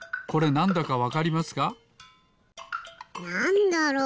なんだろう？